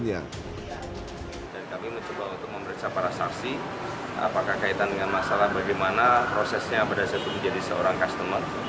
dan kami mencoba untuk memeriksa para saksi apakah kaitan dengan masalah bagaimana prosesnya pada saat itu menjadi seorang customer